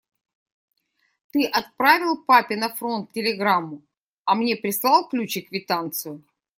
Ты отправил папе на фронт телеграмму, а мне прислал ключ и квитанцию?